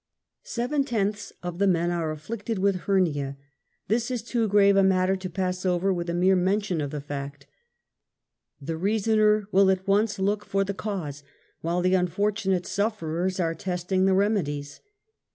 Seven tenths of the men are afflicted with hernia. This is too grave a matter to pass over with a mere mention of the fact. The jrasoner will at once look for the cause, while the unfortunate sufferers are testing the remedies.